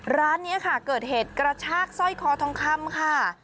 ร้านนี้ค่ะเกิดเหตุกระชากสร้อยคอทองคำค่ะ